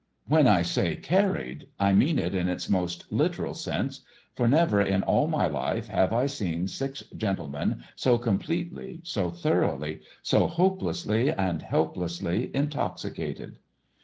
When I say carried I mean it in its most literal sense, for never in all my life have I seen six gentlemen so completely, so thoroughly, so hopelessly and helplessly intoxicated.